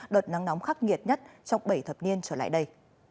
đợt nắng nóng khắc nghiệt nhất trong bảy thập niên trở lại đây